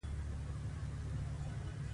په ابتدايي وسلو ښکار کول د نارینه وو کار و.